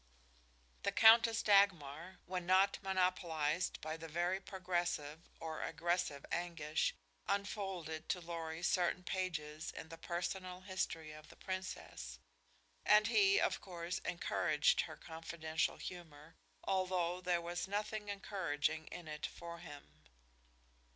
The Countess Dagmar, when not monopolized by the very progressive, or aggressive Anguish, unfolded to Lorry certain pages in the personal history of the Princess, and he, of course, encouraged her confidential humor, although there was nothing encouraging in it for him.